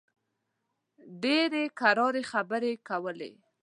ډېرې کراري خبرې کولې.